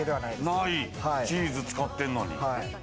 チーズ使ってんのに。